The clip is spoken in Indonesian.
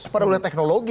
pada wilayah teknologi